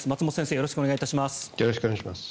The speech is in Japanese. よろしくお願いします。